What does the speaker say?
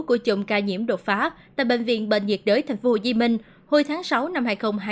của chùm ca nhiễm đột phá tại bệnh viện bệnh nhiệt đới tp hcm hồi tháng sáu năm hai nghìn hai mươi ba